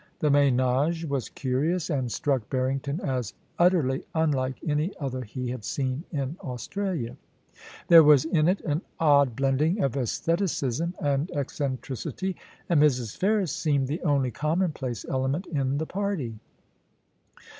The menage was curious, and struck Barrington as utterly unlike any other he had seen in Australia. There was in it an odd blending of aestheticism and eccentricity, and Mrs. Ferris seemed the only commonplace element in the party.